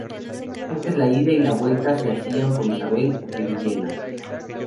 Antes la ida y la vuelta se hacían por Isabel de Villena.